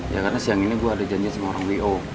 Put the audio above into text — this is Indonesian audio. ya karena siang ini gue ada janji sama orang wo